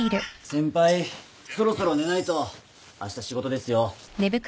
先輩そろそろ寝ないとあした仕事ですよ。